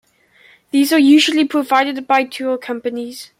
These are usually provided by tour companies.